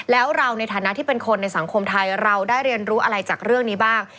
แล้วเราในฐานะที่เป็นคนในสังคมไทยเราได้เรียนรู้อะไรจากเรื่องนี้บ้าง